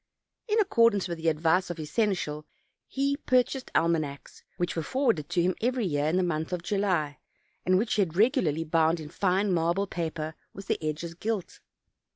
In accordance with the advice of his seneschal he purchased almanacs, which were for warded to him every year in the month of July, and which he had regularly bound in fine marble paper with the edges gilt.